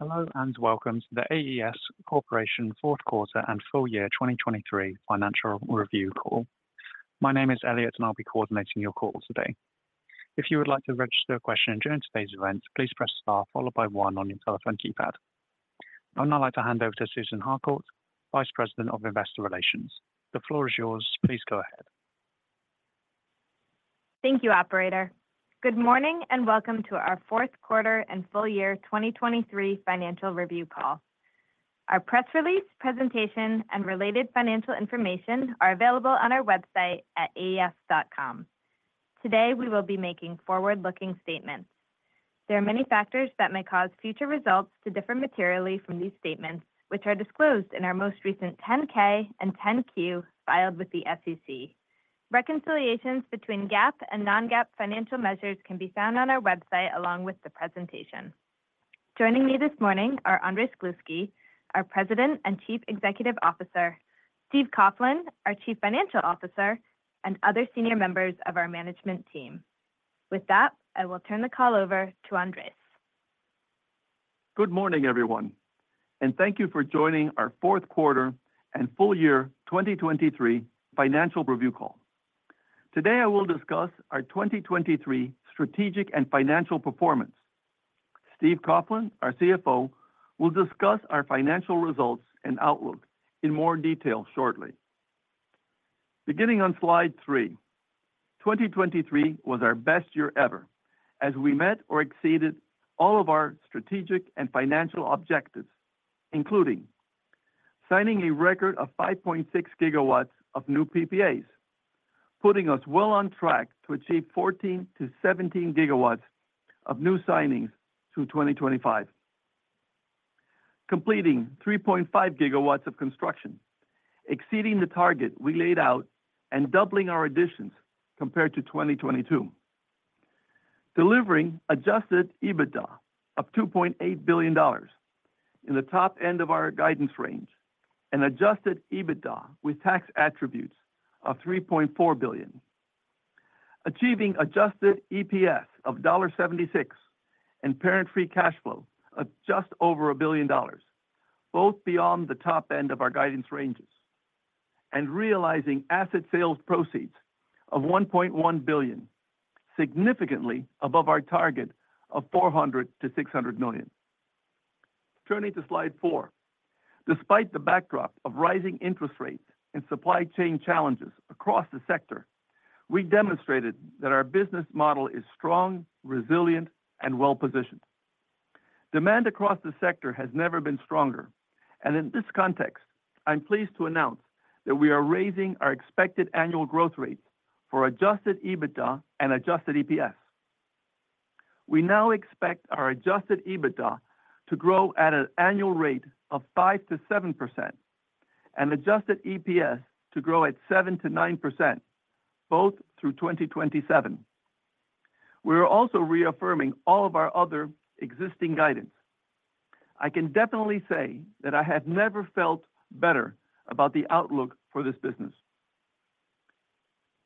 Hello and welcome to the AES Corporation fourth quarter and full year 2023 financial review call. My name is Elliot, and I'll be coordinating your call today. If you would like to register a question during today's event, please press star followed by 1 on your telephone keypad. I would now like to hand over to Susan Harcourt, Vice President of Investor Relations. The floor is yours. Please go ahead. Thank you, Operator. Good morning and welcome to our fourth quarter and full year 2023 financial review call. Our press release, presentation, and related financial information are available on our website at aes.com. Today we will be making forward-looking statements. There are many factors that may cause future results to differ materially from these statements, which are disclosed in our most recent 10-K and 10-Q filed with the SEC. Reconciliations between GAAP and non-GAAP financial measures can be found on our website along with the presentation. Joining me this morning are Andrés Gluski, our President and Chief Executive Officer, Steve Coughlin, our Chief Financial Officer, and other senior members of our management team. With that, I will turn the call over to Andrés. Good morning, everyone, and thank you for joining our fourth quarter and full year 2023 financial review call. Today I will discuss our 2023 strategic and financial performance. Steve Coughlin, our CFO, will discuss our financial results and outlook in more detail shortly. Beginning on slide 3, 2023 was our best year ever as we met or exceeded all of our strategic and financial objectives, including signing a record of 5.6 GW of new PPAs, putting us well on track to achieve 14-17 GW of new signings through 2025, completing 3.5 GW of construction, exceeding the target we laid out, and doubling our additions compared to 2022, delivering Adjusted EBITDA of $2.8 billion in the top end of our guidance range, an Adjusted EBITDA with tax attributes of $3.4 billion, achieving Adjusted EPS of $1.76 and Parent Free Cash Flow of just over $1 billion, both beyond the top end of our guidance ranges, and realizing asset sales proceeds of $1.1 billion, significantly above our target of $400-$600 million. Turning to slide 4, despite the backdrop of rising interest rates and supply chain challenges across the sector, we demonstrated that our business model is strong, resilient, and well-positioned. Demand across the sector has never been stronger, and in this context, I'm pleased to announce that we are raising our expected annual growth rates for Adjusted EBITDA and Adjusted EPS. We now expect our Adjusted EBITDA to grow at an annual rate of 5%-7% and Adjusted EPS to grow at 7%-9%, both through 2027. We are also reaffirming all of our other existing guidance. I can definitely say that I have never felt better about the outlook for this business.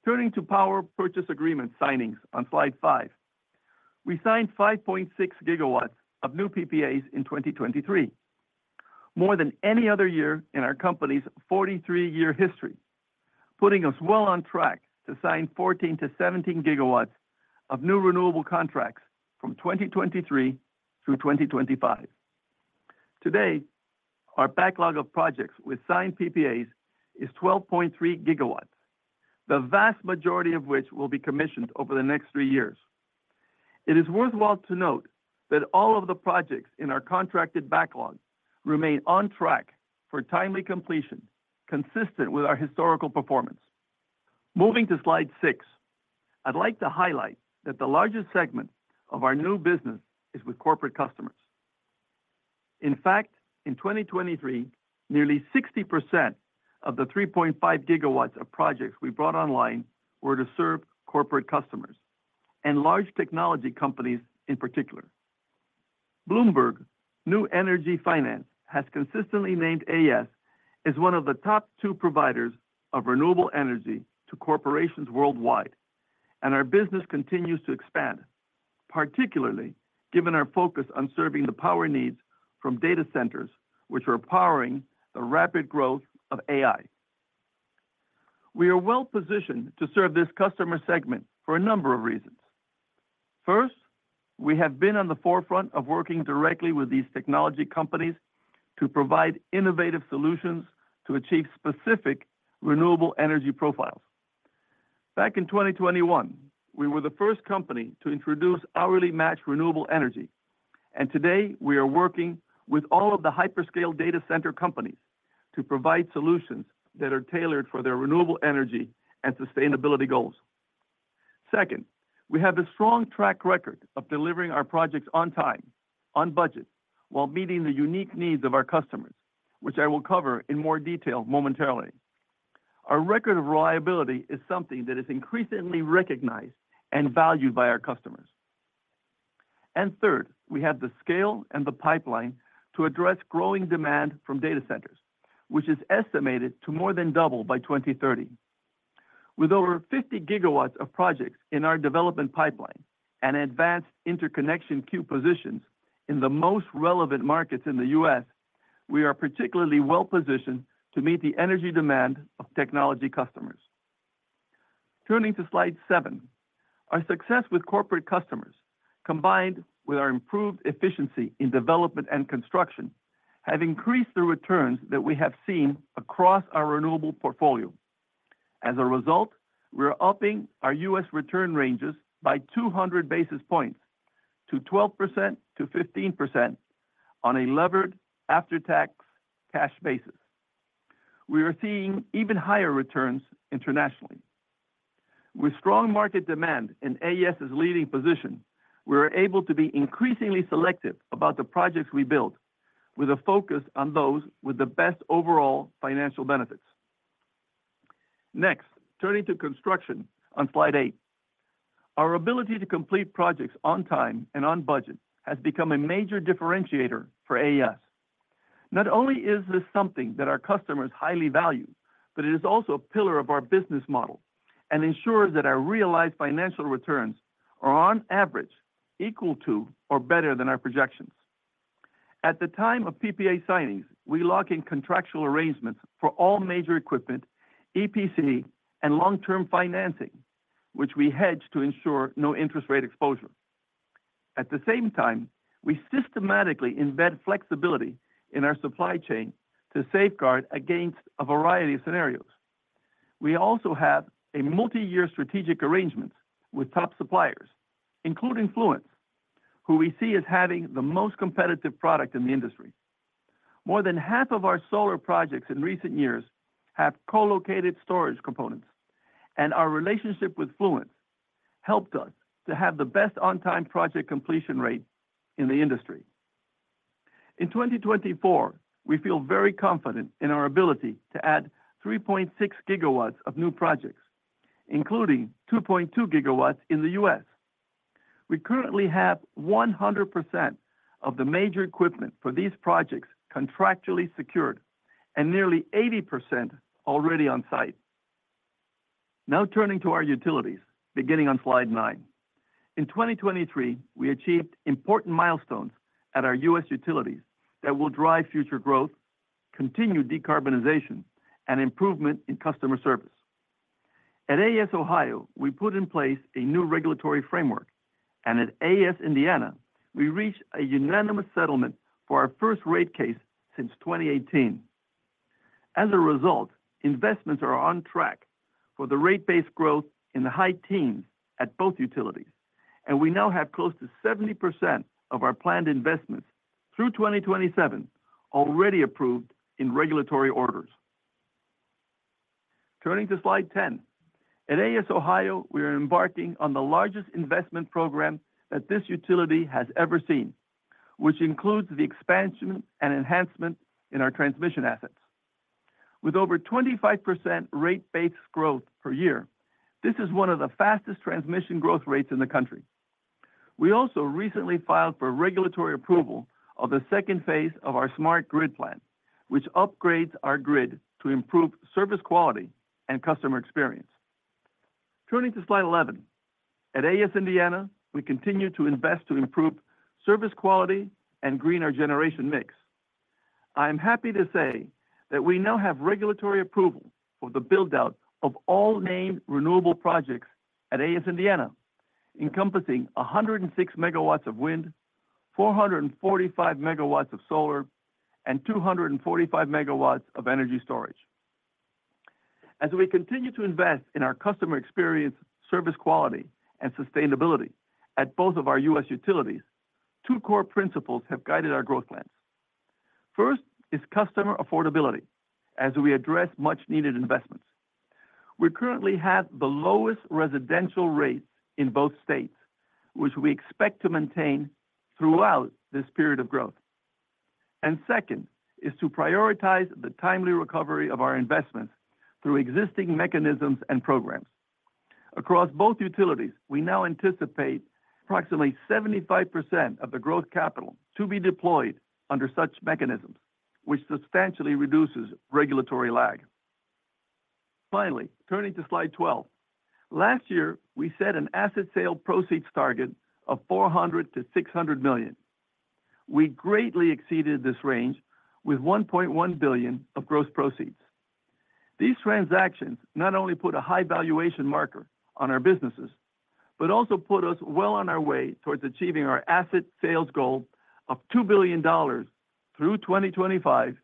Turning to power purchase agreement signings on slide 5, we signed 5.6 GW of new PPAs in 2023, more than any other year in our company's 43-year history, putting us well on track to sign 14-17 GW of new renewable contracts from 2023 through 2025. Today, our backlog of projects with signed PPAs is 12.3 GW, the vast majority of which will be commissioned over the next three years. It is worthwhile to note that all of the projects in our contracted backlog remain on track for timely completion, consistent with our historical performance. Moving to slide 6, I'd like to highlight that the largest segment of our new business is with corporate customers. In fact, in 2023, nearly 60% of the 3.5 GW of projects we brought online were to serve corporate customers, and large technology companies in particular. Bloomberg New Energy Finance has consistently named AES as one of the top two providers of renewable energy to corporations worldwide, and our business continues to expand, particularly given our focus on serving the power needs from data centers, which are powering the rapid growth of AI. We are well-positioned to serve this customer segment for a number of reasons. First, we have been on the forefront of working directly with these technology companies to provide innovative solutions to achieve specific renewable energy profiles. Back in 2021, we were the first company to introduce hourly matched renewable energy, and today we are working with all of the hyperscale data center companies to provide solutions that are tailored for their renewable energy and sustainability goals. Second, we have a strong track record of delivering our projects on time, on budget, while meeting the unique needs of our customers, which I will cover in more detail momentarily. Our record of reliability is something that is increasingly recognized and valued by our customers. Third, we have the scale and the pipeline to address growing demand from data centers, which is estimated to more than double by 2030. With over 50 GW of projects in our development pipeline and advanced interconnection queue positions in the most relevant markets in the U.S., we are particularly well-positioned to meet the energy demand of technology customers. Turning to slide 7, our success with corporate customers, combined with our improved efficiency in development and construction, have increased the returns that we have seen across our renewable portfolio. As a result, we are upping our U.S. return ranges by 200 basis points to 12%-15% on a levered after-tax cash basis. We are seeing even higher returns internationally. With strong market demand and AES's leading position, we are able to be increasingly selective about the projects we build, with a focus on those with the best overall financial benefits. Next, turning to construction on slide 8, our ability to complete projects on time and on budget has become a major differentiator for AES. Not only is this something that our customers highly value, but it is also a pillar of our business model and ensures that our realized financial returns are, on average, equal to or better than our projections. At the time of PPA signings, we lock in contractual arrangements for all major equipment, EPC, and long-term financing, which we hedge to ensure no interest rate exposure. At the same time, we systematically embed flexibility in our supply chain to safeguard against a variety of scenarios. We also have a multi-year strategic arrangement with top suppliers, including Fluence, who we see as having the most competitive product in the industry. More than half of our solar projects in recent years have collocated storage components, and our relationship with Fluence helped us to have the best on-time project completion rate in the industry. In 2024, we feel very confident in our ability to add 3.6 GW of new projects, including 2.2 GW in the U.S. We currently have 100% of the major equipment for these projects contractually secured and nearly 80% already on site. Now turning to our utilities, beginning on slide 9, in 2023, we achieved important milestones at our U.S. utilities that will drive future growth, continue decarbonization, and improvement in customer service. At AES Ohio, we put in place a new regulatory framework, and at AES Indiana, we reached a unanimous settlement for our first rate case since 2018. As a result, investments are on track for the rate base growth in the high teens at both utilities, and we now have close to 70% of our planned investments through 2027 already approved in regulatory orders. Turning to slide 10, at AES Ohio, we are embarking on the largest investment program that this utility has ever seen, which includes the expansion and enhancement in our transmission assets. With over 25% rate base growth per year, this is one of the fastest transmission growth rates in the country. We also recently filed for regulatory approval of the second phase of our Smart Grid plan, which upgrades our grid to improve service quality and customer experience. Turning to slide 11, at AES Indiana, we continue to invest to improve service quality and greener generation mix. I am happy to say that we now have regulatory approval for the buildout of all named renewable projects at AES Indiana, encompassing 106 MW of wind, 445 MW of solar, and 245 MW of energy storage. As we continue to invest in our customer experience, service quality, and sustainability at both of our U.S. utilities, two core principles have guided our growth plans. First is customer affordability as we address much-needed investments. We currently have the lowest residential rates in both states, which we expect to maintain throughout this period of growth. Second is to prioritize the timely recovery of our investments through existing mechanisms and programs. Across both utilities, we now anticipate approximately 75% of the growth capital to be deployed under such mechanisms, which substantially reduces regulatory lag. Finally, turning to slide 12, last year we set an asset sale proceeds target of $400 million-$600 million. We greatly exceeded this range with $1.1 billion of gross proceeds. These transactions not only put a high valuation marker on our businesses, but also put us well on our way towards achieving our asset sales goal of $2 billion through 2025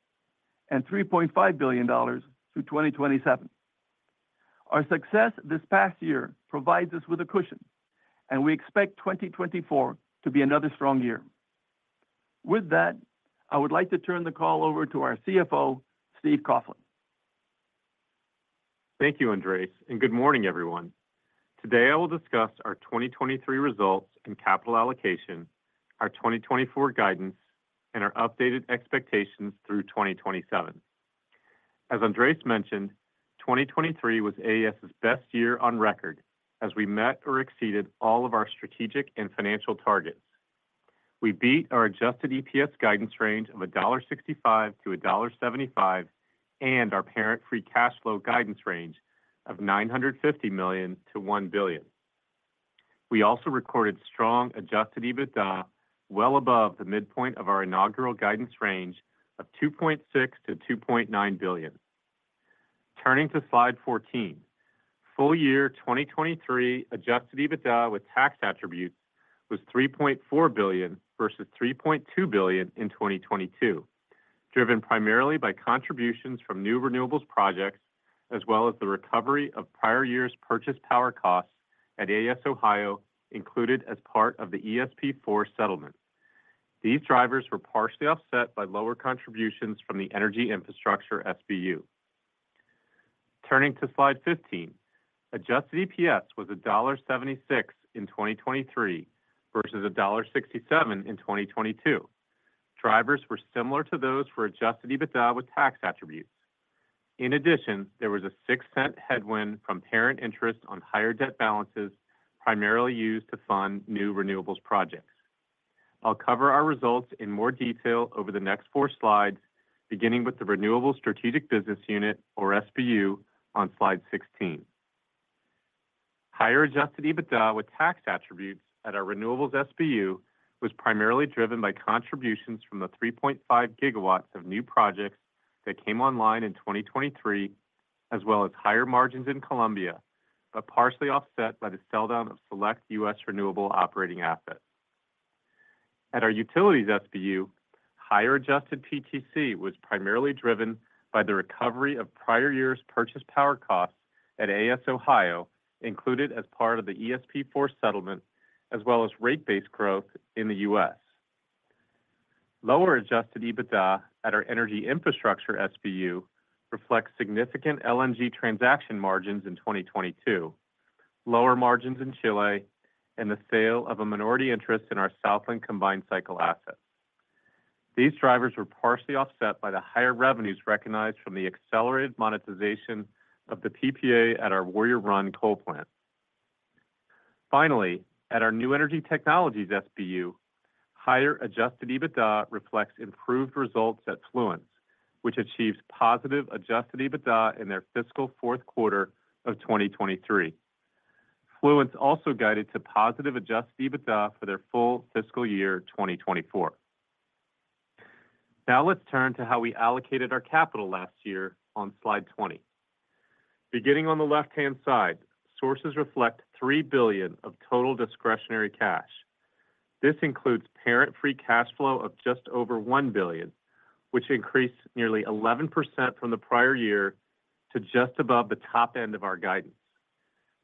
and $3.5 billion through 2027. Our success this past year provides us with a cushion, and we expect 2024 to be another strong year. With that, I would like to turn the call over to our CFO, Steve Coughlin. Thank you, Andrés, and good morning, everyone. Today I will discuss our 2023 results and capital allocation, our 2024 guidance, and our updated expectations through 2027. As Andrés mentioned, 2023 was AES's best year on record as we met or exceeded all of our strategic and financial targets. We beat our Adjusted EPS guidance range of $1.65-$1.75 and our Parent Free Cash Flow guidance range of $950 million-$1 billion. We also recorded strong Adjusted EBITDA well above the midpoint of our inaugural guidance range of $2.6-$2.9 billion. Turning to slide 14, full-year 2023 Adjusted EBITDA with tax attributes was $3.4 billion versus $3.2 billion in 2022, driven primarily by contributions from new renewables projects as well as the recovery of prior year's purchased power costs at AES Ohio, included as part of the ESP4 settlement. These drivers were partially offset by lower contributions from the Energy Infrastructure SBU. Turning to slide 15, Adjusted EPS was $1.76 in 2023 versus $1.67 in 2022. Drivers were similar to those for Adjusted EBITDA with tax attributes. In addition, there was a $0.06 headwind from parent interest on higher debt balances primarily used to fund new renewables projects. I'll cover our results in more detail over the next four slides, beginning with the Renewables Strategic Business Unit, or SBU, on slide 16. Higher Adjusted EBITDA with tax attributes at our Renewables SBU was primarily driven by contributions from the 3.5 GW of new projects that came online in 2023, as well as higher margins in Colombia, but partially offset by the sell-down of select U.S. renewable operating assets. At our Utilities SBU, higher Adjusted PTC was primarily driven by the recovery of prior year's purchased power costs at AES Ohio, included as part of the ESP4 settlement, as well as rate base growth in the U.S. Lower Adjusted EBITDA at our Energy Infrastructure SBU reflects significant LNG transaction margins in 2022, lower margins in Chile, and the sale of a minority interest in our Southland combined cycle assets. These drivers were partially offset by the higher revenues recognized from the accelerated monetization of the PPA at our Warrior Run coal plant. Finally, at our New Energy Technologies SBU, higher Adjusted EBITDA reflects improved results at Fluence, which achieved positive Adjusted EBITDA in their fiscal fourth quarter of 2023. Fluence also guided to positive Adjusted EBITDA for their full fiscal year 2024. Now let's turn to how we allocated our capital last year on slide 20. Beginning on the left-hand side, sources reflect $3 billion of total discretionary cash. This includes parent-free cash flow of just over $1 billion, which increased nearly 11% from the prior year to just above the top end of our guidance.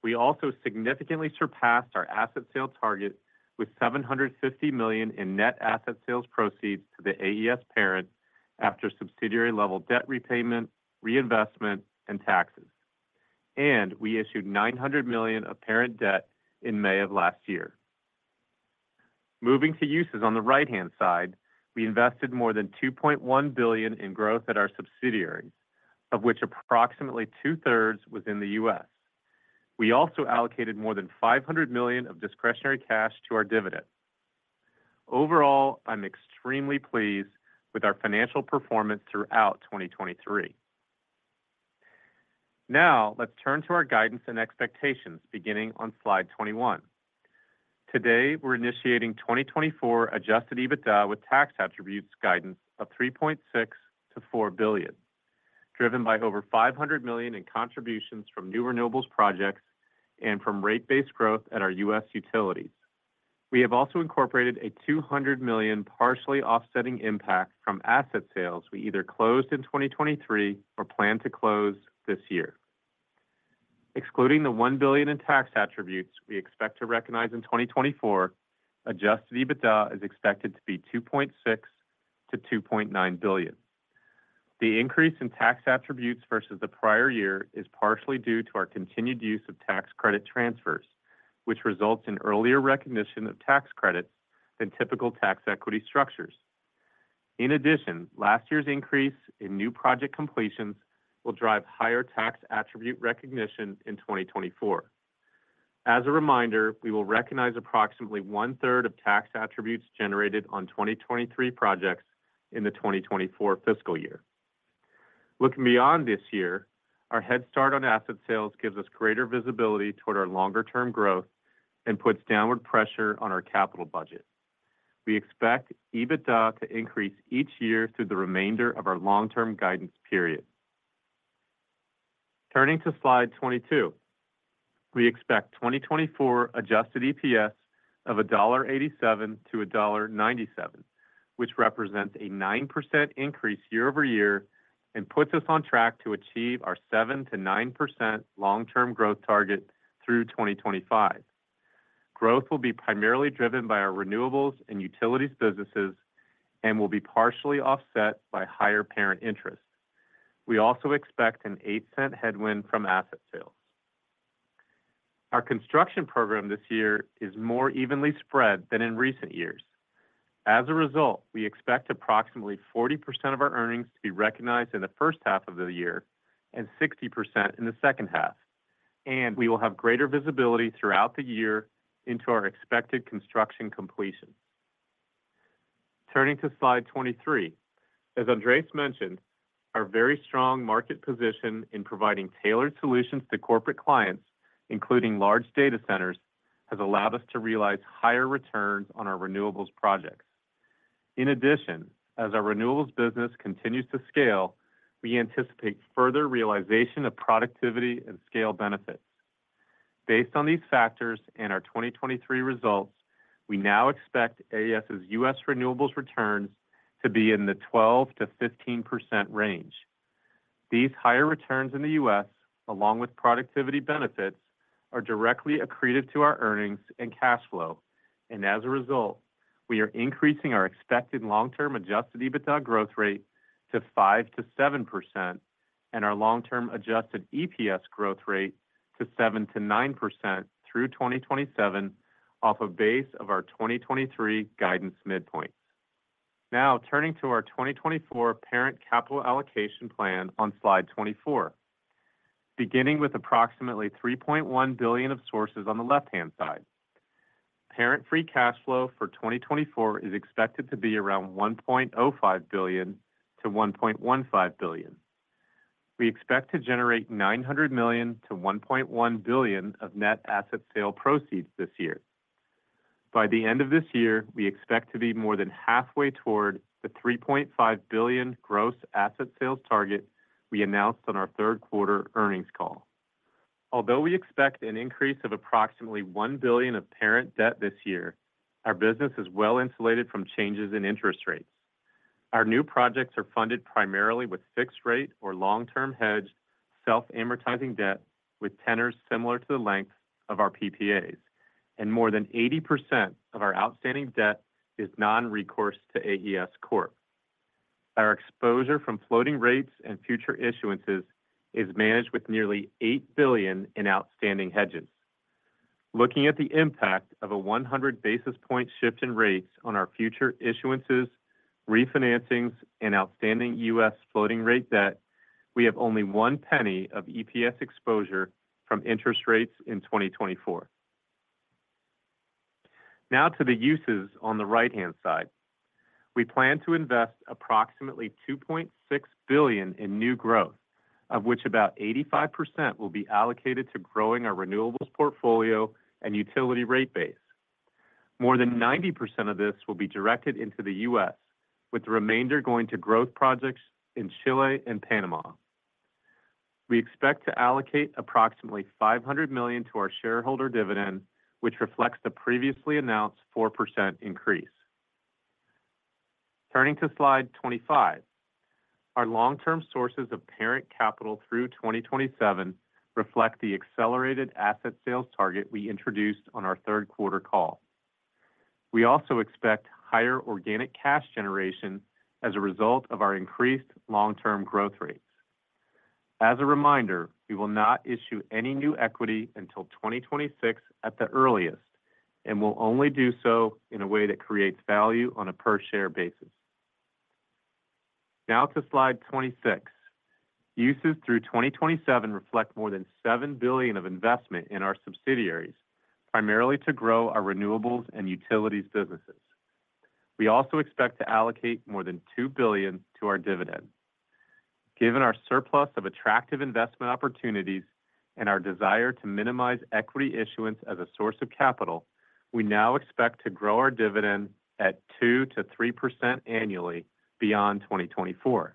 We also significantly surpassed our asset sale target with $750 million in net asset sales proceeds to the AES parent after subsidiary-level debt repayment, reinvestment, and taxes. We issued $900 million of parent debt in May of last year. Moving to uses on the right-hand side, we invested more than $2.1 billion in growth at our subsidiaries, of which approximately two-thirds was in the U.S. We also allocated more than $500 million of discretionary cash to our dividend. Overall, I'm extremely pleased with our financial performance throughout 2023. Now let's turn to our guidance and expectations, beginning on slide 21. Today, we're initiating 2024 Adjusted EBITDA with Tax Attributes guidance of $3.6-$4 billion, driven by over $500 million in contributions from new renewables projects and from rate base growth at our U.S. utilities. We have also incorporated a $200 million partially offsetting impact from asset sales we either closed in 2023 or plan to close this year. Excluding the $1 billion in Tax Attributes we expect to recognize in 2024, Adjusted EBITDA is expected to be $2.6-$2.9 billion. The increase in Tax Attributes versus the prior year is partially due to our continued use of tax credit transfers, which results in earlier recognition of tax credits than typical Tax Equity structures. In addition, last year's increase in new project completions will drive higher Tax Attributes recognition in 2024. As a reminder, we will recognize approximately one-third of tax attributes generated on 2023 projects in the 2024 fiscal year. Looking beyond this year, our head start on asset sales gives us greater visibility toward our longer-term growth and puts downward pressure on our capital budget. We expect EBITDA to increase each year through the remainder of our long-term guidance period. Turning to slide 22, we expect 2024 Adjusted EPS of $1.87-$1.97, which represents a 9% increase year-over-year and puts us on track to achieve our 7%-9% long-term growth target through 2025. Growth will be primarily driven by our renewables and utilities businesses and will be partially offset by higher parent interest. We also expect an $0.08 headwind from asset sales. Our construction program this year is more evenly spread than in recent years. As a result, we expect approximately 40% of our earnings to be recognized in the first half of the year and 60% in the second half, and we will have greater visibility throughout the year into our expected construction completions. Turning to slide 23, as Andrés mentioned, our very strong market position in providing tailored solutions to corporate clients, including large data centers, has allowed us to realize higher returns on our renewables projects. In addition, as our renewables business continues to scale, we anticipate further realization of productivity and scale benefits. Based on these factors and our 2023 results, we now expect AES's U.S. renewables returns to be in the 12%-15% range. These higher returns in the U.S., along with productivity benefits, are directly accretive to our earnings and cash flow, and as a result, we are increasing our expected long-term Adjusted EBITDA growth rate to 5%-7% and our long-term Adjusted EPS growth rate to 7%-9% through 2027 off a base of our 2023 guidance midpoints. Now, turning to our 2024 parent capital allocation plan on slide 24, beginning with approximately $3.1 billion of sources on the left-hand side, Parent Free Cash Flow for 2024 is expected to be around $1.05 billion-$1.15 billion. We expect to generate $900 million-$1.1 billion of net asset sale proceeds this year. By the end of this year, we expect to be more than halfway toward the $3.5 billion gross asset sales target we announced on our third quarter earnings call. Although we expect an increase of approximately $1 billion of parent debt this year, our business is well insulated from changes in interest rates. Our new projects are funded primarily with fixed-rate or long-term hedged self-amortizing debt with tenors similar to the length of our PPAs, and more than 80% of our outstanding debt is non-recourse to AES Corp. Our exposure from floating rates and future issuances is managed with nearly $8 billion in outstanding hedges. Looking at the impact of a 100 basis point shift in rates on our future issuances, refinancings, and outstanding U.S. floating rate debt, we have only one penny of EPS exposure from interest rates in 2024. Now to the uses on the right-hand side. We plan to invest approximately $2.6 billion in new growth, of which about 85% will be allocated to growing our renewables portfolio and utility rate base. More than 90% of this will be directed into the U.S., with the remainder going to growth projects in Chile and Panama. We expect to allocate approximately $500 million to our shareholder dividend, which reflects the previously announced 4% increase. Turning to slide 25, our long-term sources of parent capital through 2027 reflect the accelerated asset sales target we introduced on our third quarter call. We also expect higher organic cash generation as a result of our increased long-term growth rates. As a reminder, we will not issue any new equity until 2026 at the earliest and will only do so in a way that creates value on a per-share basis. Now to slide 26. Uses through 2027 reflect more than $7 billion of investment in our subsidiaries, primarily to grow our renewables and utilities businesses. We also expect to allocate more than $2 billion to our dividend. Given our surplus of attractive investment opportunities and our desire to minimize equity issuance as a source of capital, we now expect to grow our dividend at 2%-3% annually beyond 2024.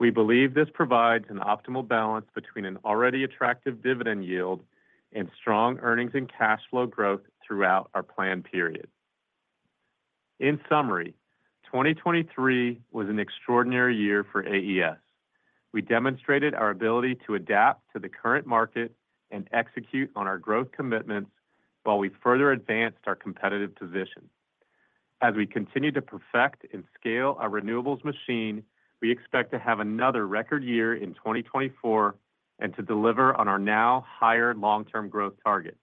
We believe this provides an optimal balance between an already attractive dividend yield and strong earnings and cash flow growth throughout our planned period. In summary, 2023 was an extraordinary year for AES. We demonstrated our ability to adapt to the current market and execute on our growth commitments while we further advanced our competitive position. As we continue to perfect and scale our renewables machine, we expect to have another record year in 2024 and to deliver on our now higher long-term growth target.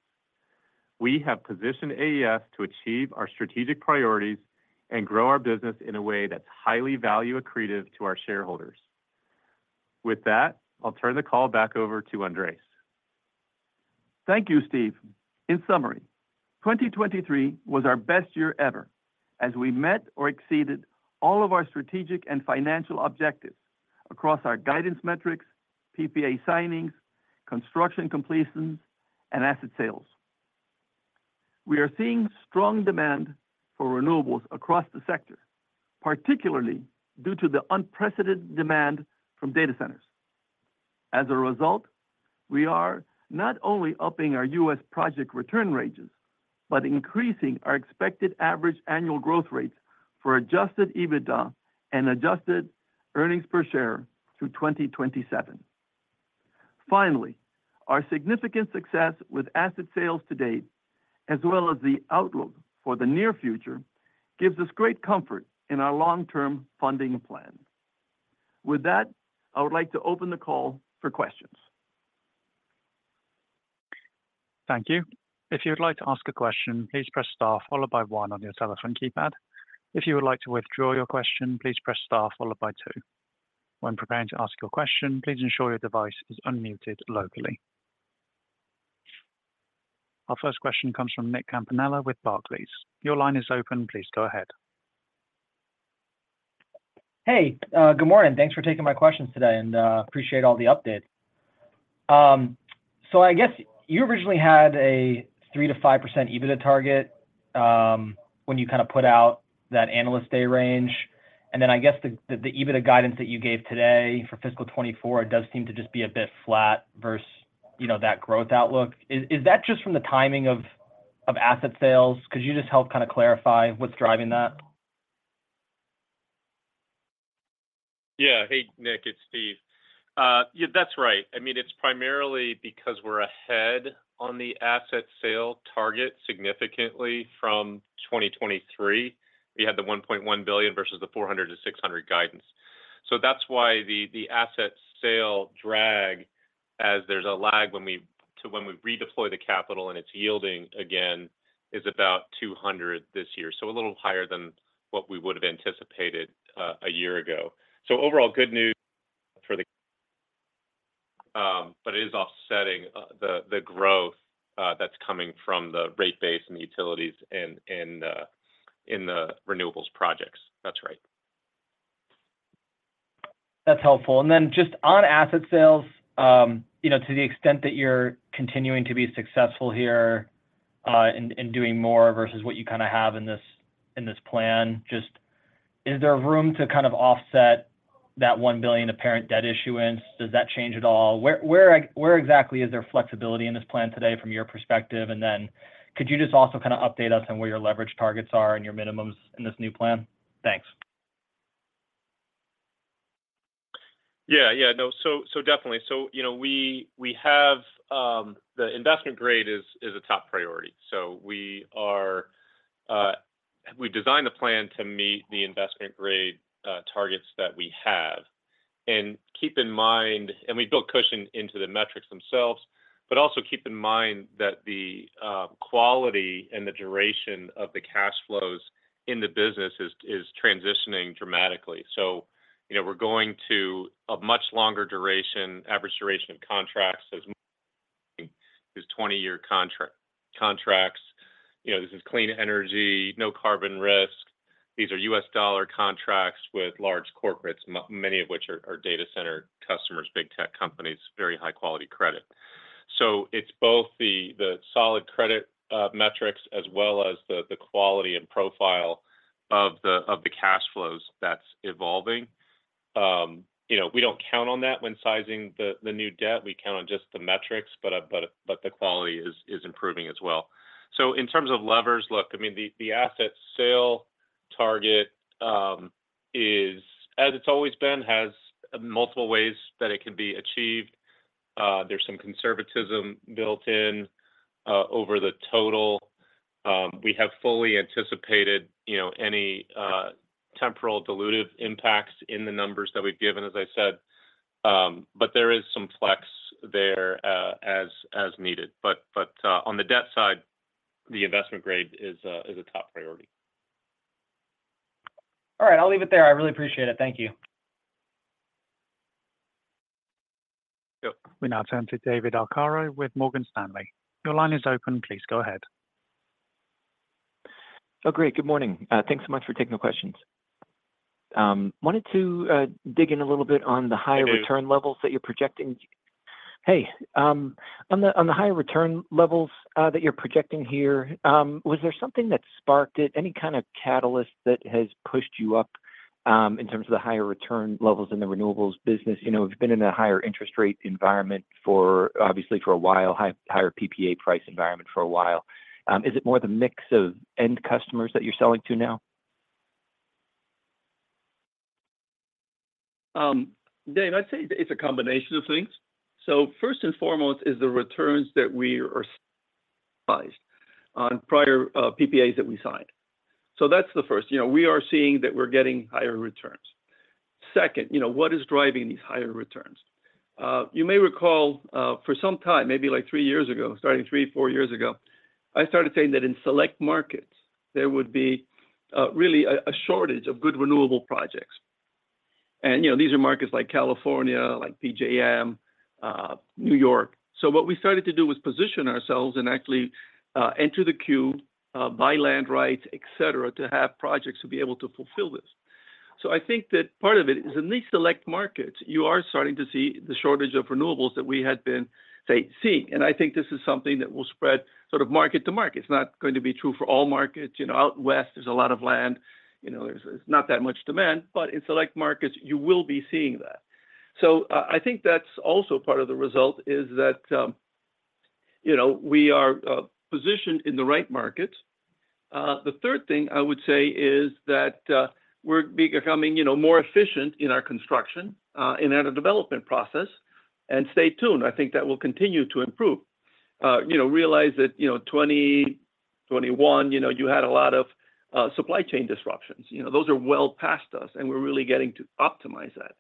We have positioned AES to achieve our strategic priorities and grow our business in a way that's highly value accretive to our shareholders. With that, I'll turn the call back over to Andrés. Thank you, Steve. In summary, 2023 was our best year ever as we met or exceeded all of our strategic and financial objectives across our guidance metrics, PPA signings, construction completions, and asset sales. We are seeing strong demand for renewables across the sector, particularly due to the unprecedented demand from data centers. As a result, we are not only upping our U.S. project return ranges but increasing our expected average annual growth rates for Adjusted EBITDA and Adjusted earnings per share through 2027. Finally, our significant success with asset sales to date, as well as the outlook for the near future, gives us great comfort in our long-term funding plan. With that, I would like to open the call for questions. Thank you. If you would like to ask a question, please press star followed by one on your telephone keypad. If you would like to withdraw your question, please press star followed by two. When preparing to ask your question, please ensure your device is unmuted locally. Our first question comes from Nick Campanella with Barclays. Your line is open. Please go ahead. Hey, good morning. Thanks for taking my questions today, and I appreciate all the updates. So I guess you originally had a 3%-5% EBITDA target when you kind of put out that analyst day range, and then I guess the EBITDA guidance that you gave today for fiscal 2024 does seem to just be a bit flat versus that growth outlook. Is that just from the timing of asset sales? Could you just help kind of clarify what's driving that? Yeah. Hey, Nick. It's Steve. Yeah, that's right. I mean, it's primarily because we're ahead on the asset sale target significantly from 2023. We had the $1.1 billion versus the $400 million-$600 million guidance. So that's why the asset sale drag as there's a lag when we redeploy the capital and it's yielding again is about $200 million this year, so a little higher than what we would have anticipated a year ago. So overall, good news for the but it is offsetting the growth that's coming from the rate base and the utilities in the renewables projects. That's right. That's helpful. And then just on asset sales, to the extent that you're continuing to be successful here in doing more versus what you kind of have in this plan, just is there room to kind of offset that $1 billion of parent debt issuance? Does that change at all? Where exactly is there flexibility in this plan today from your perspective? And then could you just also kind of update us on where your leverage targets are and your minimums in this new plan? Thanks. Yeah. Yeah. No. So definitely. So we have the investment grade is a top priority. So we've designed the plan to meet the investment grade targets that we have. And keep in mind and we built cushion into the metrics themselves, but also keep in mind that the quality and the duration of the cash flows in the business is transitioning dramatically. So we're going to a much longer duration, average duration of contracts as is 20-year contracts. This is clean energy, no carbon risk. These are U.S. dollar contracts with large corporates, many of which are data center customers, big tech companies, very high-quality credit. So it's both the solid credit metrics as well as the quality and profile of the cash flows that's evolving. We don't count on that when sizing the new debt. We count on just the metrics, but the quality is improving as well. So in terms of levers, look, I mean, the asset sale target is, as it's always been, has multiple ways that it can be achieved. There's some conservatism built in over the total. We have fully anticipated any temporal dilutive impacts in the numbers that we've given, as I said. But there is some flex there as needed. But on the debt side, the investment grade is a top priority. All right. I'll leave it there. I really appreciate it. Thank you. Yep. We now turn to David Arcaro with Morgan Stanley. Your line is open. Please go ahead. Oh, great. Good morning. Thanks so much for taking the questions. Wanted to dig in a little bit on the higher return levels that you're projecting. Hey. On the higher return levels that you're projecting here, was there something that sparked it, any kind of catalyst that has pushed you up in terms of the higher return levels in the renewables business? We've been in a higher interest rate environment, obviously, for a while, higher PPA price environment for a while. Is it more the mix of end customers that you're selling to now? David, I'd say it's a combination of things. So first and foremost is the returns that we are sizing on prior PPAs that we signed. So that's the first. We are seeing that we're getting higher returns. Second, what is driving these higher returns? You may recall for some time, maybe like three years ago, starting three, four years ago, I started saying that in select markets, there would be really a shortage of good renewable projects. These are markets like California, like PJM, New York. What we started to do was position ourselves and actually enter the queue, buy land rights, etc., to have projects to be able to fulfill this. I think that part of it is in these select markets, you are starting to see the shortage of renewables that we had been, say, seeing. I think this is something that will spread sort of market to market. It's not going to be true for all markets. Out west, there's a lot of land. There's not that much demand. But in select markets, you will be seeing that. So I think that's also part of the result is that we are positioned in the right markets. The third thing, I would say, is that we're becoming more efficient in our construction and in our development process. And stay tuned. I think that will continue to improve. Realize that 2021, you had a lot of supply chain disruptions. Those are well past us, and we're really getting to optimize that.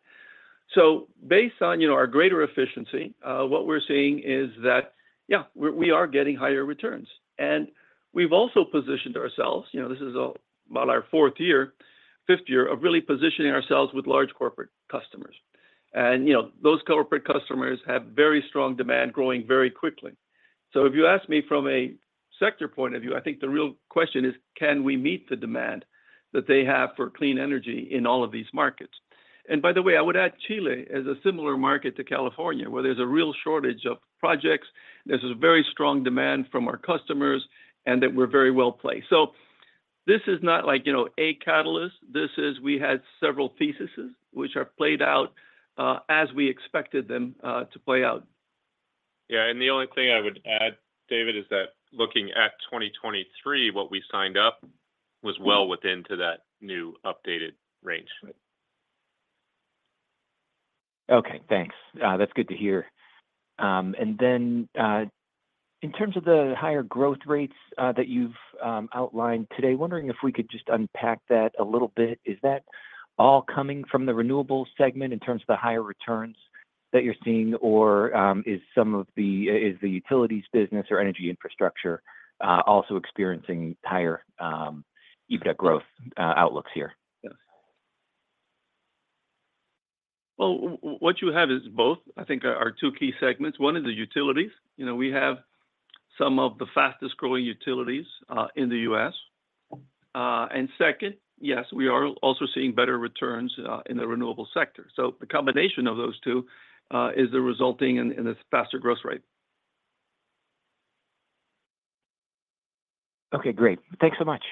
So based on our greater efficiency, what we're seeing is that, yeah, we are getting higher returns. And we've also positioned ourselves. This is about our fourth year, fifth year of really positioning ourselves with large corporate customers. And those corporate customers have very strong demand growing very quickly. So if you ask me from a sector point of view, I think the real question is, can we meet the demand that they have for clean energy in all of these markets? And by the way, I would add Chile as a similar market to California where there's a real shortage of projects. There's a very strong demand from our customers and that we're very well placed. So this is not like a catalyst. This is we had several thesis, which have played out as we expected them to play out. Yeah. And the only thing I would add, David, is that looking at 2023, what we signed up was well within that new updated range. Okay. Thanks. That's good to hear. And then in terms of the higher growth rates that you've outlined today, wondering if we could just unpack that a little bit. Is that all coming from the renewables segment in terms of the higher returns that you're seeing, or is some of the utilities business or energy infrastructure also experiencing higher EBITDA growth outlooks here? Yes. Well, what you have is both, I think, are two key segments. One is the utilities. We have some of the fastest-growing utilities in the U.S. And second, yes, we are also seeing better returns in the renewable sector. So the combination of those two is resulting in this faster growth rate. Okay. Great. Thanks so much.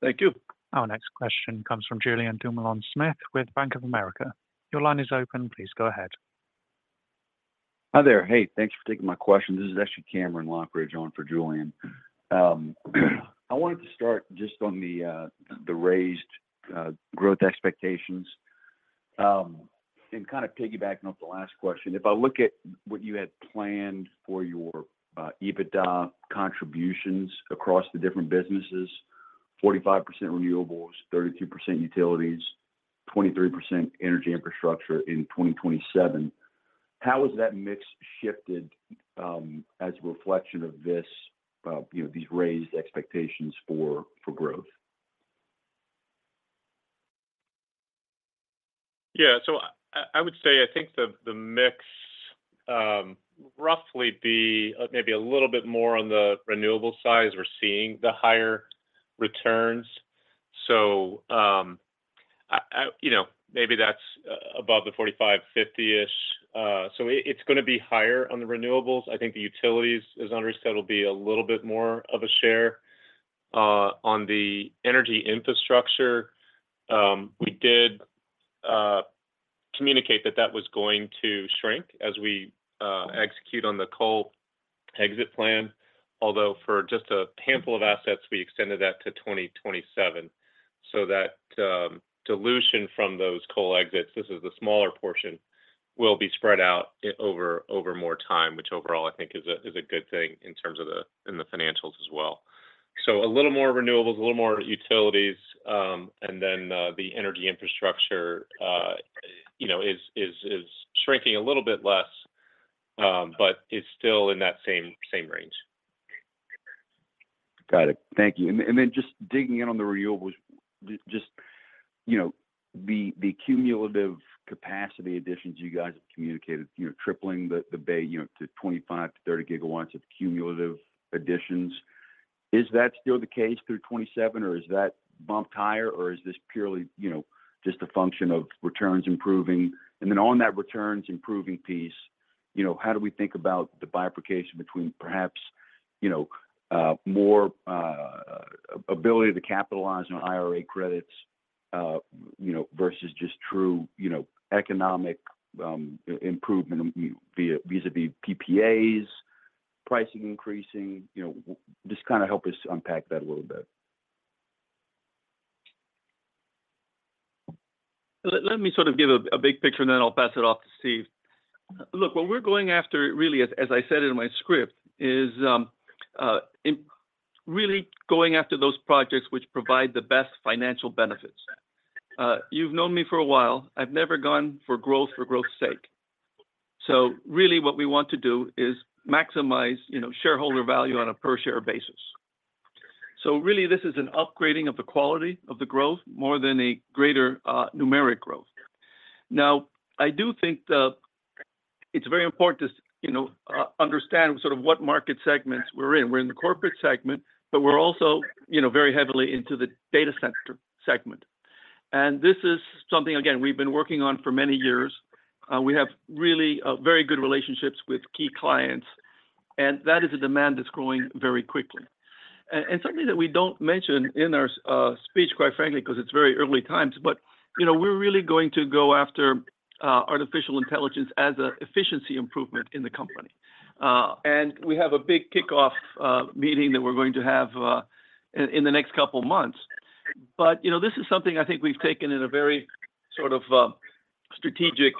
Thank you. Our next question comes from Julien Dumoulin-Smith with Bank of America. Your line is open. Please go ahead. Hi there. Hey. Thanks for taking my question. This is actually Cameron Lochridge on for Julien. I wanted to start just on the raised growth expectations and kind of piggybacking off the last question. If I look at what you had planned for your EBITDA contributions across the different businesses, 45% renewables, 32% utilities, 23% energy infrastructure in 2027, how has that mix shifted as a reflection of these raised expectations for growth? Yeah. So I would say I think the mix roughly be maybe a little bit more on the renewable side. We're seeing the higher returns. So maybe that's above the 45, 50-ish. So it's going to be higher on the renewables. I think the utilities, as Andrés said, will be a little bit more of a share. On the energy infrastructure, we did communicate that that was going to shrink as we execute on the coal exit plan, although for just a handful of assets, we extended that to 2027. So that dilution from those coal exits - this is the smaller portion - will be spread out over more time, which overall, I think, is a good thing in terms of the financials as well. So a little more renewables, a little more utilities, and then the energy infrastructure is shrinking a little bit less but is still in that same range. Got it. Thank you. And then just digging in on the renewables, just the cumulative capacity additions you guys have communicated, tripling the backlog to 25-30 GW of cumulative additions, is that still the case through 2027, or is that bumped higher, or is this purely just a function of returns improving? And then on that returns improving piece, how do we think about the bifurcation between perhaps more ability to capitalize on IRA credits versus just true economic improvement vis-à-vis PPAs, pricing increasing? Just kind of help us unpack that a little bit. Let me sort of give a big picture, and then I'll pass it off to Steve. Look, what we're going after, really, as I said in my script, is really going after those projects which provide the best financial benefits. You've known me for a while. I've never gone for growth for growth's sake. So really, what we want to do is maximize shareholder value on a per-share basis. So really, this is an upgrading of the quality of the growth more than a greater numeric growth. Now, I do think it's very important to understand sort of what market segments we're in. We're in the corporate segment, but we're also very heavily into the data center segment. And this is something, again, we've been working on for many years. We have really very good relationships with key clients, and that is a demand that's growing very quickly. And something that we don't mention in our speech, quite frankly, because it's very early times, but we're really going to go after artificial intelligence as an efficiency improvement in the company. And we have a big kickoff meeting that we're going to have in the next couple of months. But this is something I think we've taken in a very sort of strategic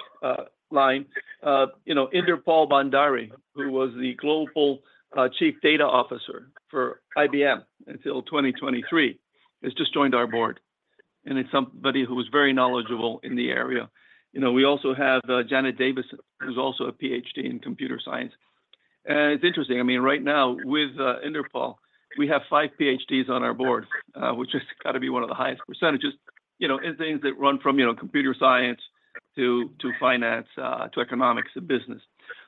line. Inderpal Bhandari, who was the global chief data officer for IBM until 2023, has just joined our board. And it's somebody who was very knowledgeable in the area. We also have Janet Davidson, who's also a PhD in computer science. And it's interesting. I mean, right now, with Inderpal, we have five PhDs on our board, which has got to be one of the highest percentages in things that run from computer science to finance to economics and business.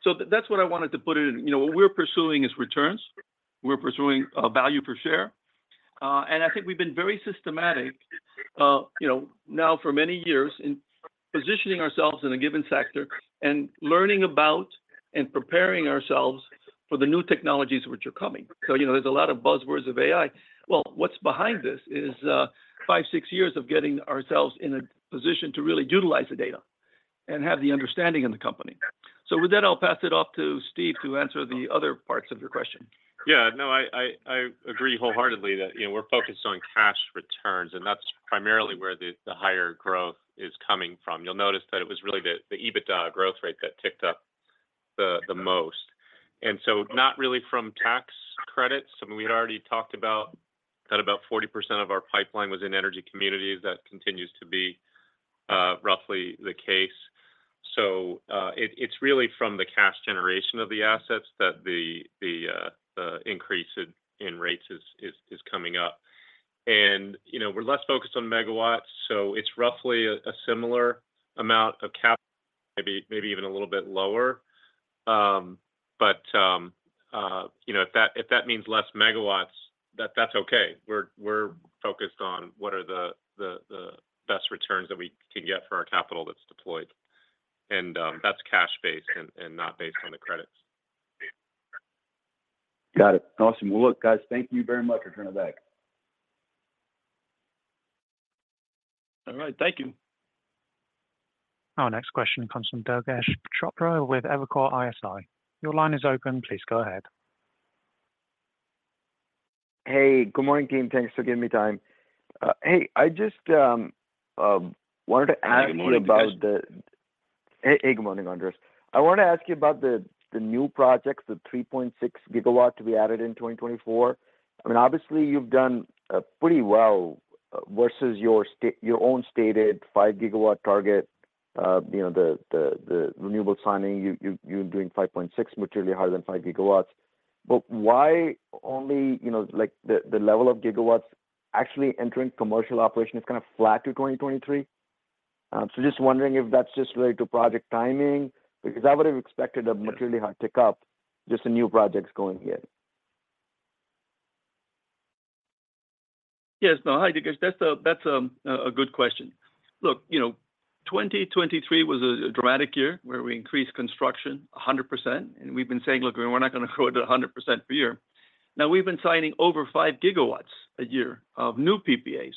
So that's what I wanted to put it in. What we're pursuing is returns. We're pursuing value per share. And I think we've been very systematic now for many years in positioning ourselves in a given sector and learning about and preparing ourselves for the new technologies which are coming. So there's a lot of buzzwords of AI. Well, what's behind this is five, six years of getting ourselves in a position to really utilize the data and have the understanding in the company. So with that, I'll pass it off to Steve to answer the other parts of your question. Yeah. No, I agree wholeheartedly that we're focused on cash returns, and that's primarily where the higher growth is coming from. You'll notice that it was really the EBITDA growth rate that ticked up the most. And so not really from tax credits. I mean, we had already talked about that about 40% of our pipeline was in energy communities. That continues to be roughly the case. So it's really from the cash generation of the assets that the increase in rates is coming up. And we're less focused on megawatts, so it's roughly a similar amount of capital, maybe even a little bit lower. But if that means less megawatts, that's okay. We're focused on what are the best returns that we can get for our capital that's deployed. And that's cash-based and not based on the credits. Got it. Awesome. Well, look, guys, thank you very much. Return it back. All right. Thank you. Our next question comes from Durgesh Chopra with Evercore ISI. Your line is open. Please go ahead. Hey. Good morning, team. Thanks for giving me time. Hey. Good morning, Andrés. I wanted to ask you about the new projects, the 3.6 GW to be added in 2024. I mean, obviously, you've done pretty well versus your own stated 5 GW target, the renewable signing, you're doing 5.6, materially higher than 5 GW. But why only the level of gigawatts actually entering commercial operation is kind of flat to 2023? So just wondering if that's just related to project timing because I would have expected a materially high tick-up just in new projects going in. Yes. No, hi, Durgesh. That's a good question. Look, 2023 was a dramatic year where we increased construction 100%, and we've been saying, "Look, we're not going to grow it to 100% per year." Now, we've been signing over 5 GW a year of new PPAs.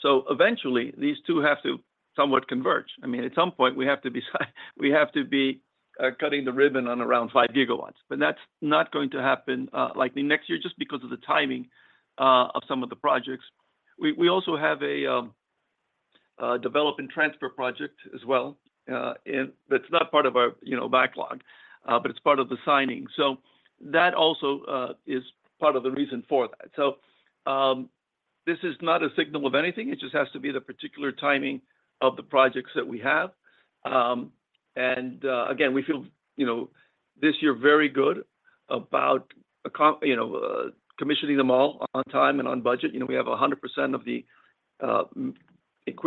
So eventually, these two have to somewhat converge. I mean, at some point, we have to be cutting the ribbon on around 5 GW. But that's not going to happen likely next year just because of the timing of some of the projects. We also have a develop and transfer project as well that's not part of our backlog, but it's part of the signing. So this is not a signal of anything. It just has to be the particular timing of the projects that we have. And again, we feel this year very good about commissioning them all on time and on budget. We have 100% of the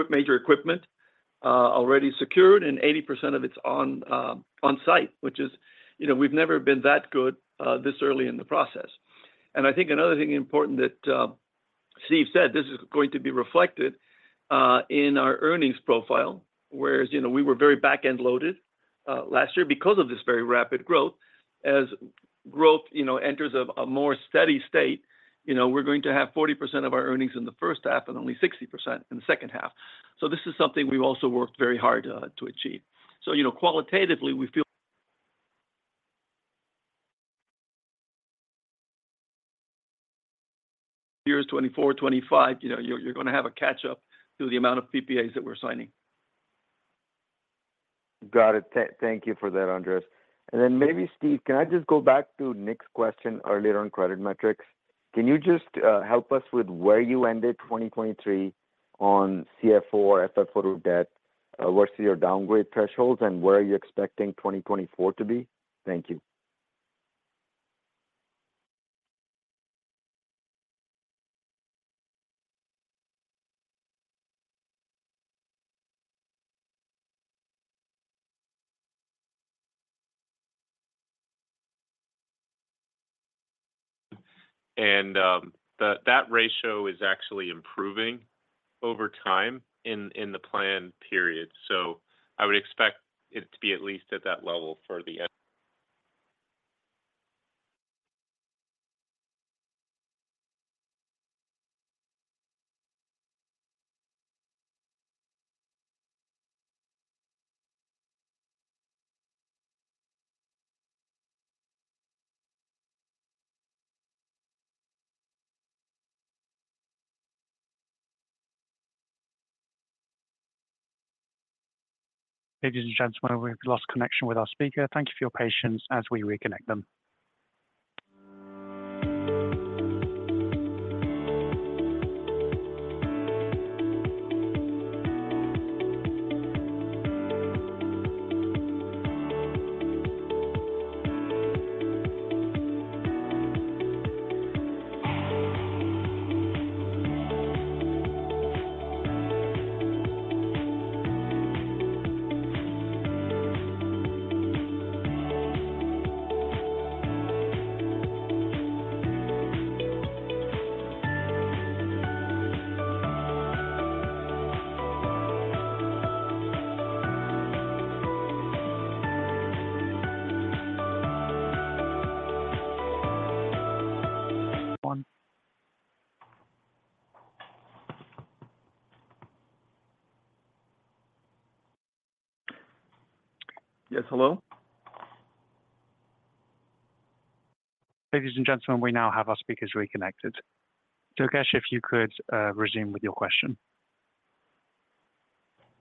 major equipment already secured, and 80% of it's on-site, which is we've never been that good this early in the process. And I think another thing important that Steve said, this is going to be reflected in our earnings profile, whereas we were very back-end loaded last year because of this very rapid growth. As growth enters a more steady state, we're going to have 40% of our earnings in the first half and only 60% in the second half. So this is something we've also worked very hard to achieve. So qualitatively, we feel years 2024, 2025, you're going to have a catch-up through the amount of PPAs that we're signing. Got it. Thank you for that, Andrés. And then maybe, Steve, can I just go back to Nick's question earlier on credit metrics? Can you just help us with where you ended 2023 on CFO or FFO debt versus your downgrade thresholds, and where are you expecting 2024 to be? Thank you. And that ratio is actually improving over time in the planned period. So I would expect it to be at least at that level for the. Hey, Durgesh. I just went over. We've lost connection with our speaker. Thank you for your patience as we reconnect them. Yes. Hello? Ladies and gentlemen, we now have our speakers reconnected. Durgesh, if you could resume with your question.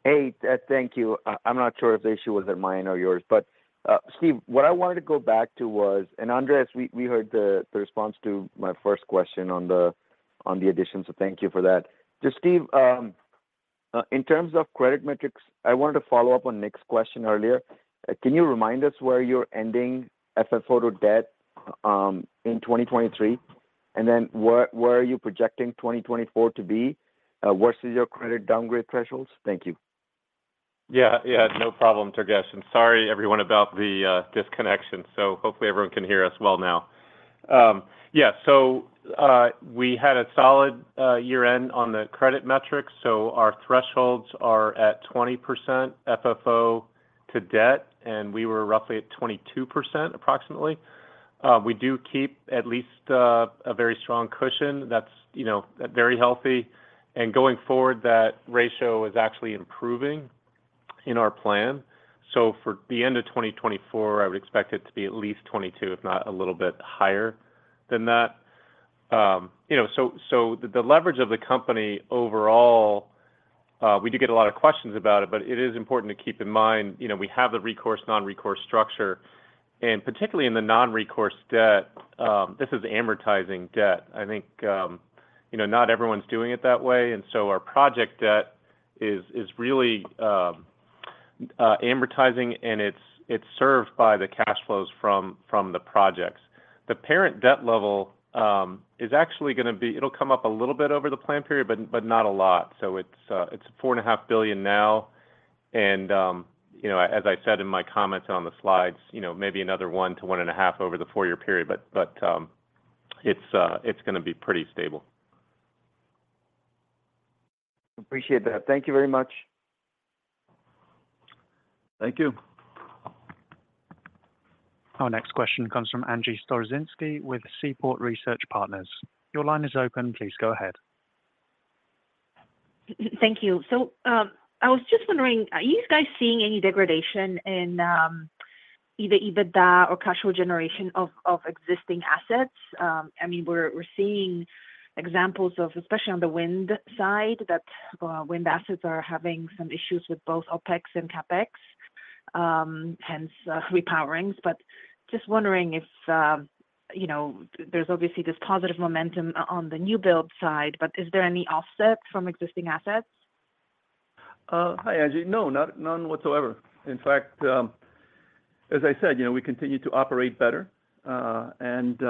Hey. Thank you. I'm not sure if the issue wasn't mine or yours. But Steve, what I wanted to go back to was and Andrés, we heard the response to my first question on the addition, so thank you for that. Just Steve, in terms of credit metrics, I wanted to follow up on Nick's question earlier. Can you remind us where you're ending FFO to debt in 2023, and then where are you projecting 2024 to be versus your credit downgrade thresholds? Thank you. Yeah. Yeah. No problem, Durgesh. And sorry, everyone, about the disconnection. So hopefully, everyone can hear us well now. Yeah. So we had a solid year-end on the credit metrics. So our thresholds are at 20% FFO to debt, and we were roughly at 22% approximately. We do keep at least a very strong cushion. That's very healthy. And going forward, that ratio is actually improving in our plan. So for the end of 2024, I would expect it to be at least 22, if not a little bit higher than that. So the leverage of the company overall, we do get a lot of questions about it, but it is important to keep in mind we have the recourse/non-recourse structure. And particularly in the non-recourse debt, this is amortizing debt. I think not everyone's doing it that way. And so our project debt is really amortizing, and it's served by the cash flows from the projects. The parent debt level is actually going to be it'll come up a little bit over the planned period, but not a lot. So it's $4.5 billion now. And as I said in my comments and on the slides, maybe another $1-$1.5 billion over the four-year period, but it's going to be pretty stable. Appreciate that. Thank you very much. Thank you. Our next question comes from Angie Storozynski with Seaport Research Partners. Your line is open. Please go ahead. Thank you. So I was just wondering, are you guys seeing any degradation in either EBITDA or cash flow generation of existing assets? I mean, we're seeing examples of, especially on the wind side, that wind assets are having some issues with both OpEx and CapEx, hence repowerings. But just wondering if there's obviously this positive momentum on the new build side, but is there any offset from existing assets? Hi, Angie. No, none whatsoever. In fact, as I said, we continue to operate better. And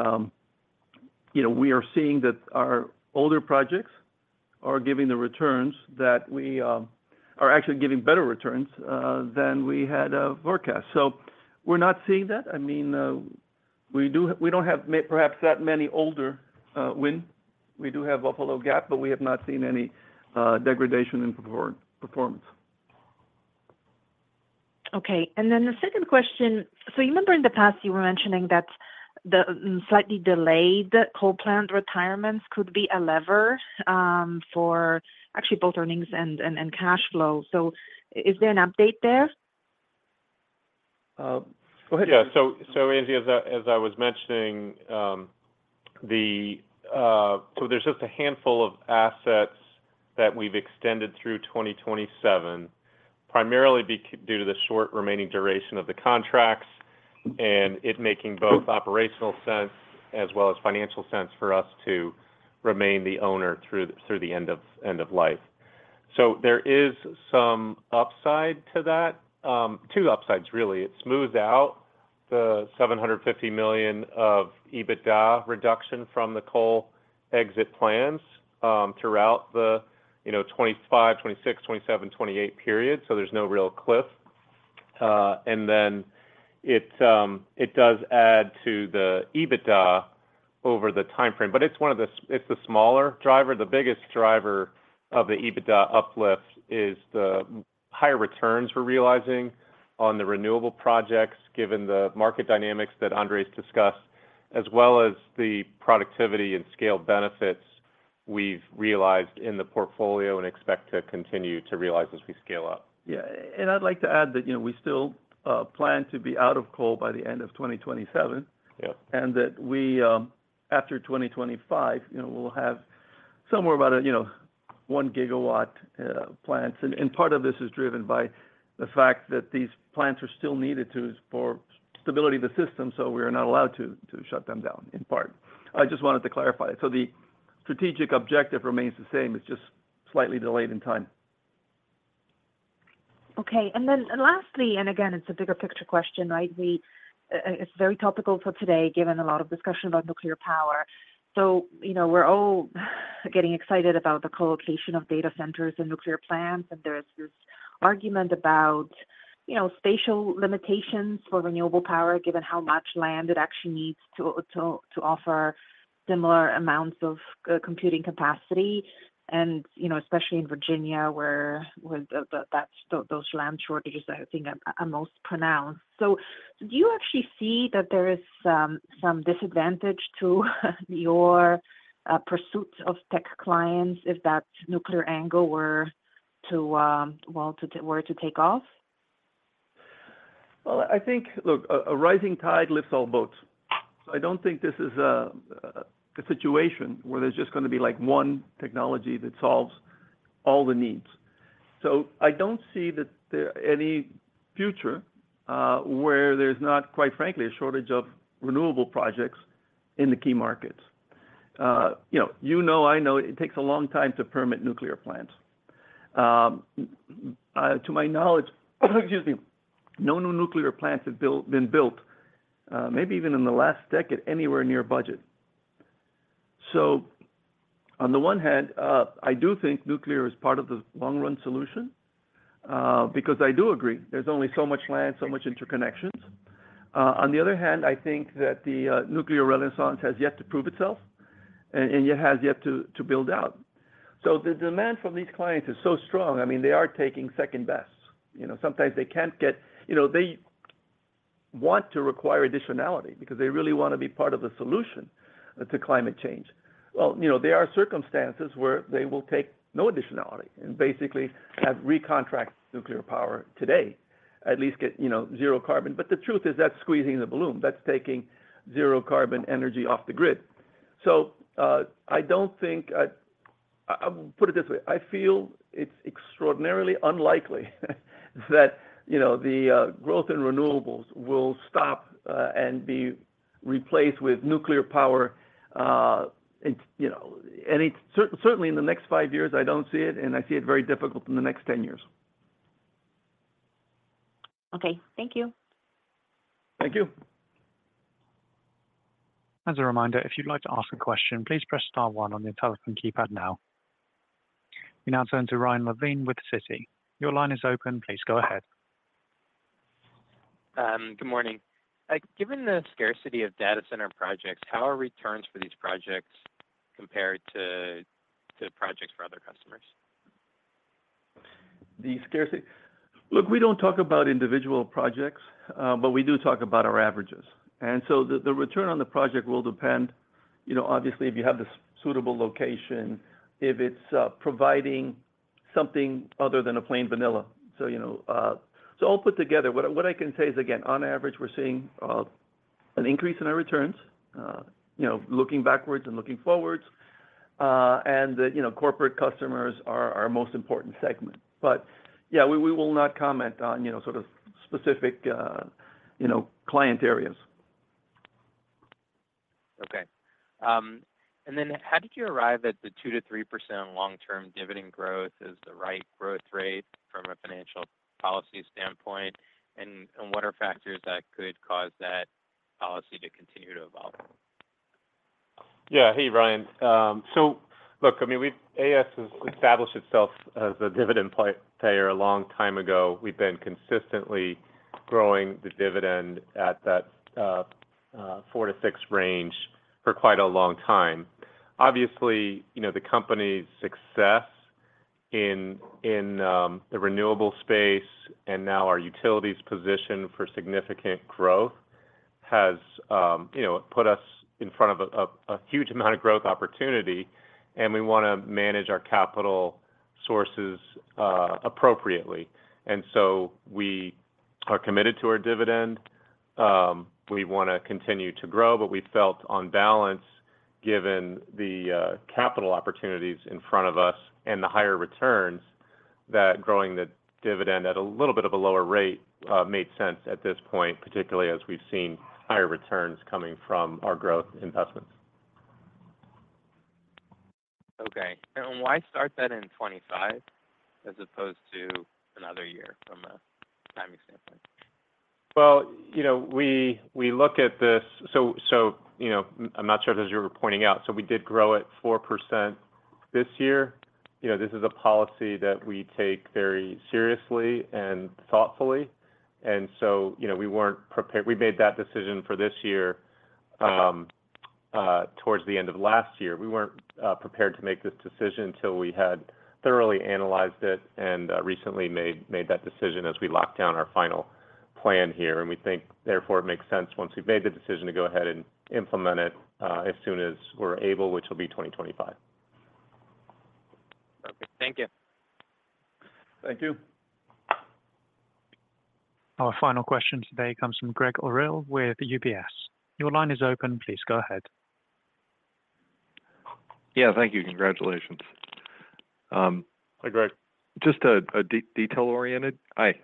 we are seeing that our older projects are giving the returns that we are actually giving better returns than we had forecast. So we're not seeing that. I mean, we don't have perhaps that many older wind. We do have Buffalo Gap, but we have not seen any degradation in performance. Okay. And then the second question so you remember in the past, you were mentioning that the slightly delayed coal plant retirements could be a lever for actually both earnings and cash flow. So is there an update there? Go ahead. Yeah. So Angie, as I was mentioning, so there's just a handful of assets that we've extended through 2027, primarily due to the short remaining duration of the contracts and it making both operational sense as well as financial sense for us to remain the owner through the end of life. So there is some upside to that two upsides, really. It smooths out the $750 million of EBITDA reduction from the coal exit plans throughout the 2025, 2026, 2027, 2028 period. So there's no real cliff. And then it does add to the EBITDA over the timeframe. But it's one of the. It's the smaller driver. The biggest driver of the EBITDA uplift is the higher returns we're realizing on the renewable projects given the market dynamics that Andrés discussed, as well as the productivity and scale benefits we've realized in the portfolio and expect to continue to realize as we scale up. Yeah. And I'd like to add that we still plan to be out of coal by the end of 2027 and that after 2025, we'll have somewhere about 1 GW plants. And part of this is driven by the fact that these plants are still needed for stability of the system, so we are not allowed to shut them down in part. I just wanted to clarify it. So the strategic objective remains the same. It's just slightly delayed in time. Okay. And then lastly, and again, it's a bigger picture question, right? It's very topical for today given a lot of discussion about nuclear power. So we're all getting excited about the collocation of data centers and nuclear plants, and there's this argument about spatial limitations for renewable power given how much land it actually needs to offer similar amounts of computing capacity, especially in Virginia where those land shortages, I think, are most pronounced. So do you actually see that there is some disadvantage to your pursuit of tech clients if that nuclear angle were to take off? Well, I think, look, a rising tide lifts all boats. So I don't think this is a situation where there's just going to be one technology that solves all the needs. So, I don't see that there any future where there's not, quite frankly, a shortage of renewable projects in the key markets. You know, I know it takes a long time to permit nuclear plants. To my knowledge, excuse me, no new nuclear plants have been built, maybe even in the last decade, anywhere near budget. So, on the one hand, I do think nuclear is part of the long-run solution because I do agree there's only so much land, so much interconnections. On the other hand, I think that the nuclear renaissance has yet to prove itself and yet has yet to build out. So the demand from these clients is so strong. I mean, they are taking second best. Sometimes they can't get they want to require additionality because they really want to be part of the solution to climate change. Well, there are circumstances where they will take no additionality and basically have recontract nuclear power today, at least get zero carbon. But the truth is that's squeezing the balloon. That's taking zero carbon energy off the grid. So I don't think I'll put it this way. I feel it's extraordinarily unlikely that the growth in renewables will stop and be replaced with nuclear power. And certainly, in the next five years, I don't see it, and I see it very difficult in the next 10 years. Okay. Thank you. Thank you. As a reminder, if you'd like to ask a question, please press star one on the telephone keypad now. We now turn to Ryan Levine with Citi. Your line is open. Please go ahead. Good morning. Given the scarcity of data center projects, how are returns for these projects compared to projects for other customers? Look, we don't talk about individual projects, but we do talk about our averages. And so the return on the project will depend, obviously, if you have the suitable location, if it's providing something other than a plain vanilla. So all put together, what I can say is, again, on average, we're seeing an increase in our returns looking backwards and looking forwards. And corporate customers are our most important segment. But yeah, we will not comment on sort of specific client areas. Okay. And then how did you arrive at the 2%-3% long-term dividend growth as the right growth rate from a financial policy standpoint? And what are factors that could cause that policy to continue to evolve? Yeah. Hey, Ryan. So look, I mean, AES has established itself as a dividend payer a long time ago. We've been consistently growing the dividend at that 4%-6% range for quite a long time. Obviously, the company's success in the renewable space and now our utilities position for significant growth has put us in front of a huge amount of growth opportunity, and we want to manage our capital sources appropriately. So we are committed to our dividend. We want to continue to grow, but we felt on balance, given the capital opportunities in front of us and the higher returns, that growing the dividend at a little bit of a lower rate made sense at this point, particularly as we've seen higher returns coming from our growth investments. Okay. And why start that in 2025 as opposed to another year from a timing standpoint? Well, we look at this so I'm not sure, as you were pointing out, so we did grow it 4% this year. This is a policy that we take very seriously and thoughtfully. And so we weren't prepared. We made that decision for this year towards the end of last year. We weren't prepared to make this decision until we had thoroughly analyzed it and recently made that decision as we locked down our final plan here. And we think, therefore, it makes sense once we've made the decision to go ahead and implement it as soon as we're able, which will be 2025. Okay. Thank you. Thank you. Our final question today comes from Gregg Orrill with UBS. Your line is open. Please go ahead. Yeah. Thank you. Congratulations. Hi, Gregg. Just a detail-oriented hi,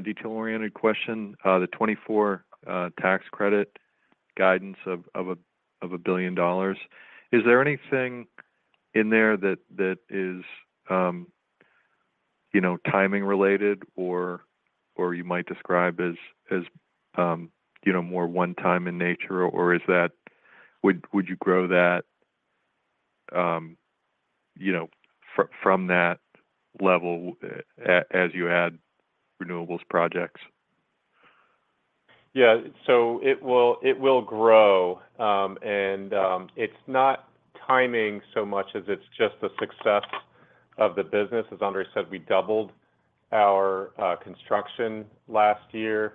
detail-oriented question. The 2024 tax credit guidance of $1 billion, is there anything in there that is timing-related or you might describe as more one-time in nature, or would you grow that from that level as you add renewables projects? Yeah. So it will grow. It's not timing so much as it's just the success of the business. As Andrés said, we doubled our construction last year.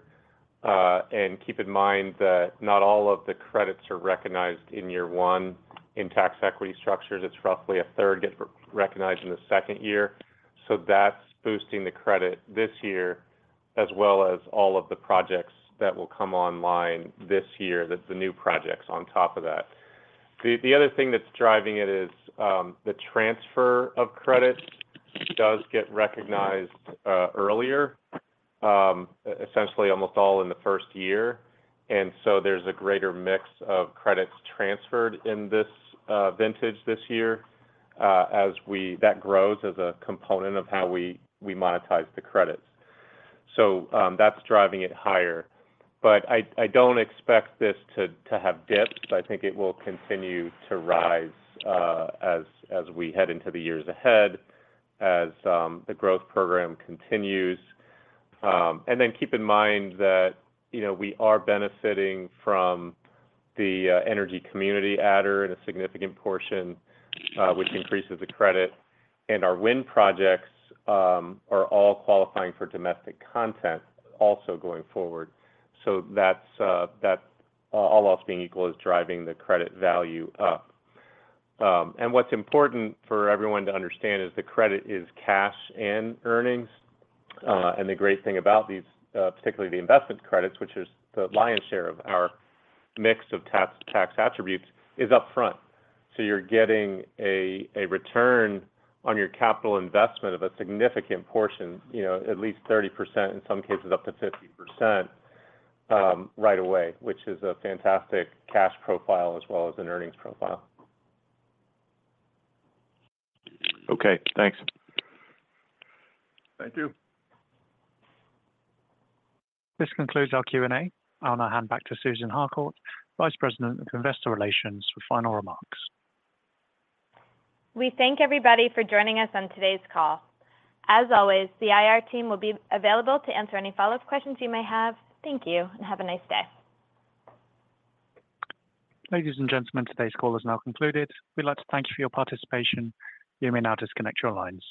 Keep in mind that not all of the credits are recognized in year one in tax equity structures. It's roughly a third get recognized in the second year. So that's boosting the credit this year as well as all of the projects that will come online this year, the new projects, on top of that. The other thing that's driving it is the transfer of credits does get recognized earlier, essentially almost all in the first year. And so there's a greater mix of credits transferred in this vintage this year as that grows as a component of how we monetize the credits. So that's driving it higher. But I don't expect this to have dips. I think it will continue to rise as we head into the years ahead as the growth program continues. And then keep in mind that we are benefiting from the energy community adder in a significant portion, which increases the credit. And our wind projects are all qualifying for domestic content also going forward. So all else being equal is driving the credit value up. And what's important for everyone to understand is the credit is cash and earnings. And the great thing about these, particularly the investment credits, which is the lion's share of our mix of tax attributes, is upfront. So you're getting a return on your capital investment of a significant portion, at least 30%, in some cases up to 50% right away, which is a fantastic cash profile as well as an earnings profile. Okay. Thanks. Thank you. This concludes our Q&A. I'll now hand back to Susan Harcourt, Vice President of Investor Relations, for final remarks. We thank everybody for joining us on today's call. As always, the IR team will be available to answer any follow-up questions you may have. Thank you and have a nice day. Ladies and gentlemen, today's call is now concluded. We'd like to thank you for your participation. You may now disconnect your lines.